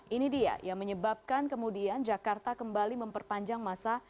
ini dia yang menyebabkan kemudian jakarta kembali memperpanjang masa